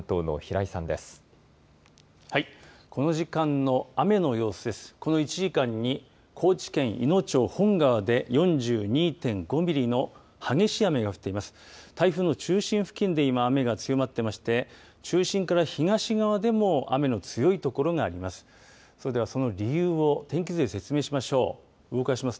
台風の中心付近で今雨が強まっていまして中心から東側でも雨の強い所があります。